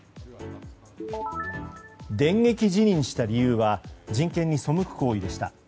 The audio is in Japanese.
電撃辞任した理由は人権に背く行為でした。